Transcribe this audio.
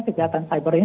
kejahatan siber ini